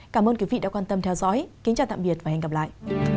cảm ơn quý vị đã quan tâm theo dõi kính chào tạm biệt và hẹn gặp lại